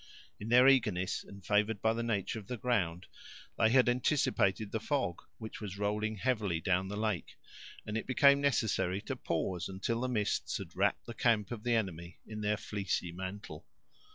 In their eagerness, and favored by the nature of the ground, they had anticipated the fog, which was rolling heavily down the lake, and it became necessary to pause, until the mists had wrapped the camp of the enemy in their fleecy mantle.